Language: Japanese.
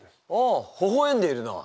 あほほえんでいるな。